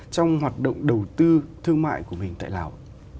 trong hoạt động đầu tư thương mại của mình tại lào